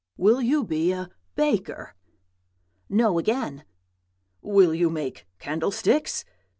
"'Will you be a baker?' "'No, again.' "'Will you make candlesticks?'